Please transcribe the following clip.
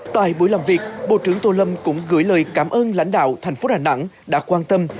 tại buổi làm việc bộ trưởng tô lâm cũng gửi lời cảm ơn lãnh đạo thành phố đà nẵng đã quan tâm